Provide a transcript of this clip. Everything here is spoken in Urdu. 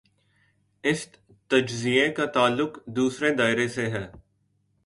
اس تجزیے کا تعلق دوسرے دائرے سے ہے۔